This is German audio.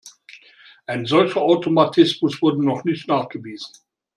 Ein solcher Automatismus wurde noch nicht nachgewiesen.